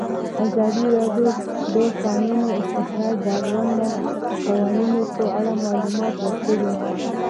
ازادي راډیو د د کانونو استخراج د اړونده قوانینو په اړه معلومات ورکړي.